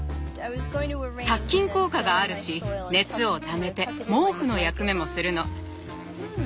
殺菌効果があるし熱をためて毛布の役目もするの。